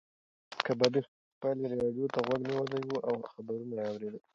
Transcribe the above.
کبابي خپلې راډیو ته غوږ نیولی و او خبرونه یې اورېدل.